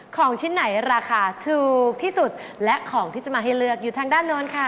ของชิ้นไหนราคาถูกที่สุดและของที่จะมาให้เลือกอยู่ทางด้านโน้นค่ะ